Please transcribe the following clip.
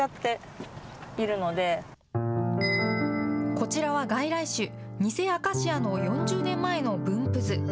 こちらは外来種、ニセアカシアの４０年前の分布図。